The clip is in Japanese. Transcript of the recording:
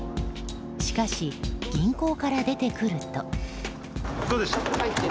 しかし、銀行から出てくると。